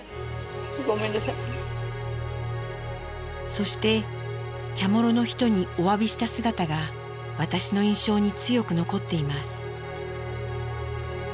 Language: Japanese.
そしてチャモロの人におわびした姿が私の印象に強く残っています。